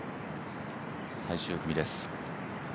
最終組です。